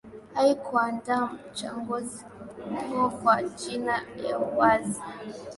haikuandaa uchaguzi huo kwa njia ya uwazi